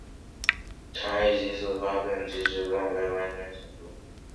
肠易激综合征的发病机制尚未完全清楚。